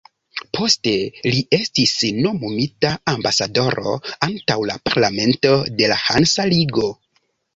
Poste li estis nomumita ambasadoro antaŭ la parlamento de la Hansa ligo.